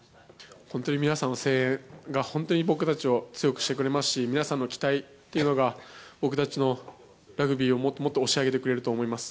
本当に皆さんの声援が、本当に僕たちを強くしてくれますし、皆さんの期待っていうのが、僕たちのラグビーをもっともっと押し上げてくれると思います。